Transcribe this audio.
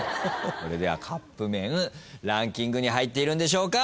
それではカップ麺ランキングに入っているんでしょうか。